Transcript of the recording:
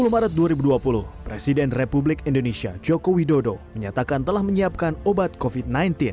dua puluh maret dua ribu dua puluh presiden republik indonesia joko widodo menyatakan telah menyiapkan obat covid sembilan belas